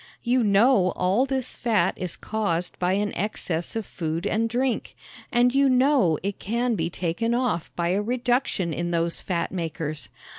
You know all this fat is caused by an excess of food and drink, and you know it can be taken off by a reduction in those fatmakers.